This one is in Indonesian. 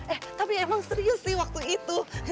eh tapi emang serius sih waktu itu